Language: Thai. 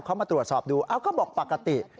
เขามาตรวจสอบดูก็บอกปกติ